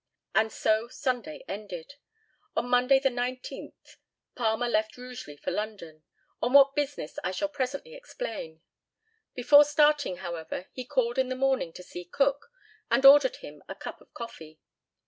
And so Sunday ended. On Monday, the 19th, Palmer left Rugeley for London on what business I shall presently explain. Before starting, however, he called in the morning to see Cook, and ordered him a cup of coffee.